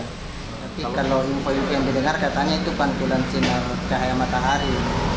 tapi kalau info info yang didengar katanya itu pantulan sinar cahaya matahari